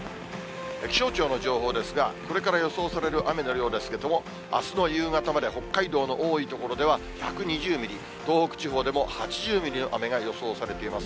気象庁の情報ですが、これから予想される雨の量ですけれども、あすの夕方まで北海道の多い所では１２０ミリ、東北地方でも８０ミリの雨が予想されています。